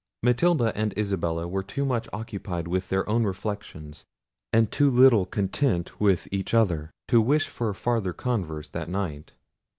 Matilda and Isabella were too much occupied with their own reflections, and too little content with each other, to wish for farther converse that night.